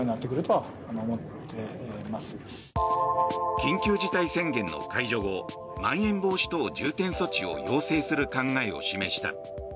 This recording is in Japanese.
緊急事態宣言の解除後まん延防止等重点措置を要請する考えを示した。